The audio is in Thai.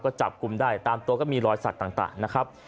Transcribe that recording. ก็จับกลุ่มได้ตามตัวก็มีรอยสักต่างนะครับ